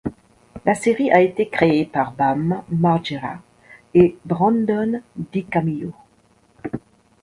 La série a été créée par Bam Margera et Brandon DiCamillo.